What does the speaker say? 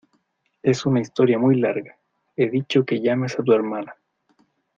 es una historia muy larga. he dicho que llames a tu hermana .